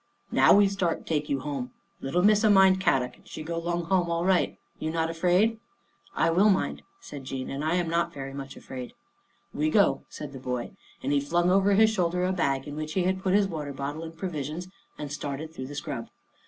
Now we start take you home. Little Missa mind Kadok and she go long home all right. You not afraid?" " I will mind," said Jean, " and I am not very much afraid." " We go," said the boy, and he flung over his shoulder a bag in which he had put his water bottle and provisions and started through the scrub.